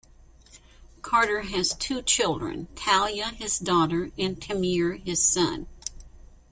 Carter has two children; Taleya his daughter and Tamere his son.